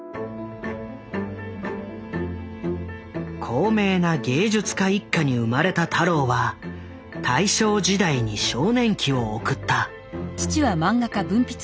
高名な芸術家一家に生まれた太郎は大正時代に少年期を送った。